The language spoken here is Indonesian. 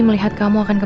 malah bye bye sama bunga